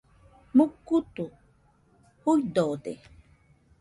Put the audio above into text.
Mukutu juidode.